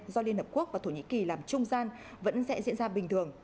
do liên hợp quốc và thổ nhĩ kỳ làm trung gian vẫn sẽ diễn ra bình thường